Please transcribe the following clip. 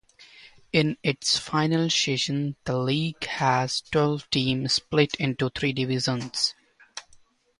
In its final season the league had twelve teams split into three divisions.